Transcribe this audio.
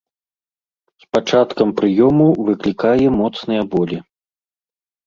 З пачаткам прыёму выклікае моцныя болі.